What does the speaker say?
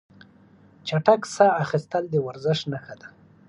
چټک ساه اخیستل د ورزش نښه ده.